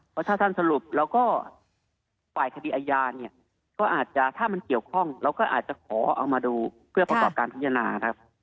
เพราะถ้าท่านสรุปแล้วก็ฝ่ายคดีอาญาเนี่ยก็อาจจะถ้ามันเกี่ยวข้องเราก็อาจจะขอเอามาดูเพื่อประกอบการพิจารณาครับ